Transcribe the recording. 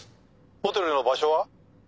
ホテルの場所は？